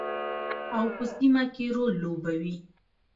او په سیمه کې رول لوبوي.